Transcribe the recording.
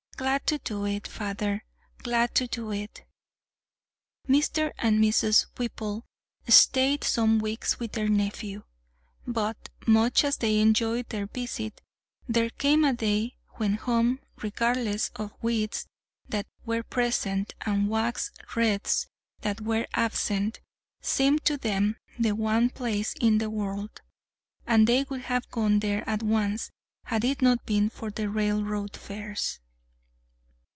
"Glad to do it, father; glad to do it!" Mr. and Mrs. Whipple stayed some weeks with their nephew. But, much as they enjoyed their visit, there came a day when home regardless of weeds that were present and wax wreaths that were absent seemed to them the one place in the world; and they would have gone there at once had it not been for the railroad fares.